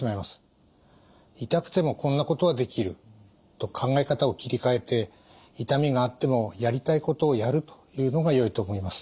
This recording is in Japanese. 「痛くてもこんなことはできる」と考え方を切り替えて痛みがあってもやりたいことをやるというのがよいと思います。